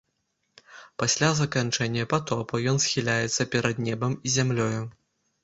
Пасля заканчэння патопу ён схіляецца перад небам і зямлёю.